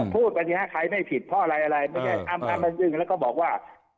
พูดไปใดไหนใครไม่ผิดเพราะอะไรไม่ใช่ซั่มมันจะยึ้งแล้วก็บอกว่า